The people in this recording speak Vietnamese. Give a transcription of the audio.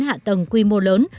hạ tầng quy mô lớn